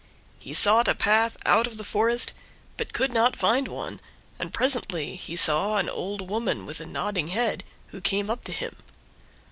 He sought a path out of the forest, but could not find one, and presently he saw an old woman with a nodding head, who came up to him.